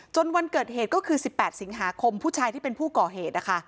วันเกิดเหตุก็คือ๑๘สิงหาคมผู้ชายที่เป็นผู้ก่อเหตุนะคะ